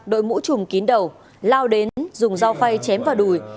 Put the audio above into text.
đội mũ trùm kín đầu lao đến dùng dao phay chém vào đùi